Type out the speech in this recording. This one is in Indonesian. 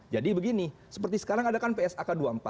jadi begini seperti sekarang ada kan psak dua puluh empat